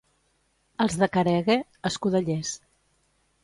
Els de Caregue, escudellers.